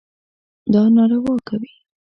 دا ناروا کوي.